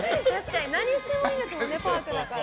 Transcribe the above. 何してもいいんですもんねパークだから。